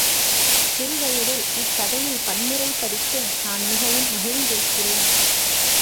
சிறு வயதில், இக்கதையைப் பன்முறை படித்து நான் மிகவும் மகிழ்ந்திருக்கிறேன்.